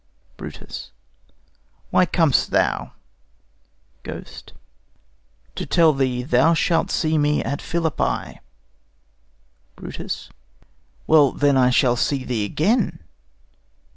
BRUTUS. Why com'st thou? GHOST. To tell thee thou shalt see me at Philippi. BRUTUS. Well; then I shall see thee again?